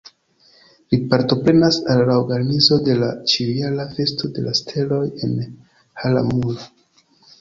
Li partoprenas al la organizo de la ĉiujara Festo de la Steloj en Hara-mura.